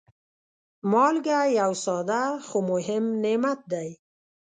مالګه یو ساده، خو مهم نعمت دی.